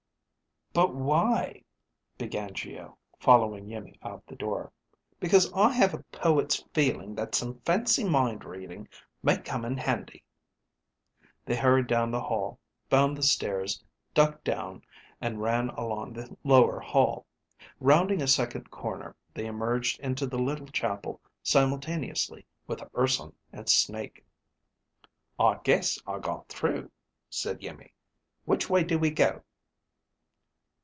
"But why...?" began Geo, following Iimmi out the door. "Because I have a poet's feeling that some fancy mind reading may come in handy." They hurried down the hall, found the stairs, ducked down, and ran along the lower hall. Rounding a second corner, they emerged into the little chapel simultaneously with Urson and Snake. "I guess I got through," said Iimmi. "Which way do we go?"